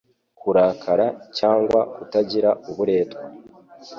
kurakara cyangwa kutagira uburetwa